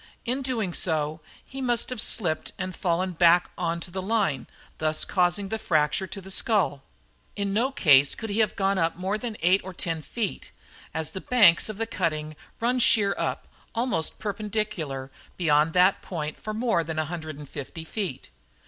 In doing so he must have slipped and fallen back on to the line, thus causing the fracture of the skull. In no case could he have gone up more than eight or ten feet, as the banks of the cutting run sheer up, almost perpendicularly, beyond that point for more than a hundred and fifty feet.